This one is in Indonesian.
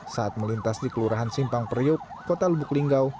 saat melintas di kelurahan simpang periuk kota lubuk linggau